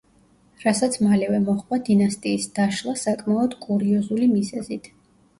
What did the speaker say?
რასაც მალევე მოჰყვა დინასტიის დაშლა საკმაოდ კურიოზული მიზეზით.